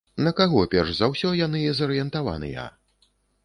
На каго перш за ўсё яны зарыентаваныя?